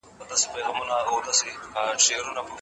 دغه معلومات د پوهنتون د زده کړيالانو لپاره ګټور دي.